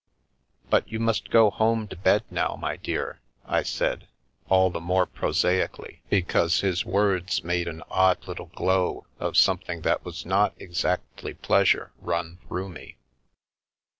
" But you must go home to bed now, my dear," I said, all the more prosaically because his words made an odd little glow of something that was not exactly pleasure run through me.